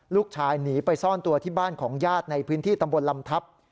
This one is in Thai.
ลูกชายหนีไปซ่อนตัวที่บ้านของญาติในพื้นที่ตำบลลำทับ